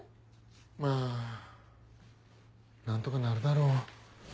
まぁ何とかなるだろ。